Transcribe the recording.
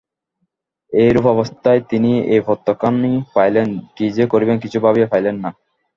এইরূপ অবস্থায় তিনি এই পত্রখানি পাইলেন– কী যে করিবেন কিছু ভাবিয়া পাইলেন না।